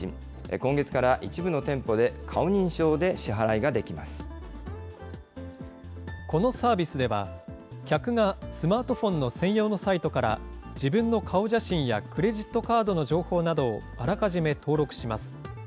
今月から一部の店舗で顔認証で支このサービスでは、客がスマートフォンの専用のサイトから、自分の顔写真やクレジットカードの情報などをあらかじめ登録します。